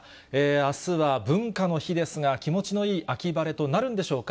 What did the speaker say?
あすは文化の日ですが、気持ちのいい秋晴れとなるんでしょうか。